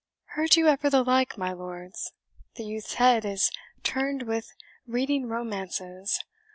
"Heard you ever the like, my lords? The youth's head is turned with reading romances.